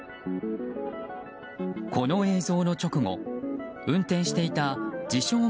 この映像の直後運転していた自称